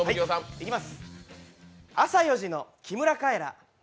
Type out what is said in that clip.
朝４時の木村カエラ。